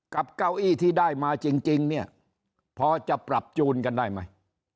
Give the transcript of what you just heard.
เก้าอี้ที่ได้มาจริงเนี่ยพอจะปรับจูนกันได้ไหม